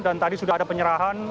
dan tadi sudah ada penyerahan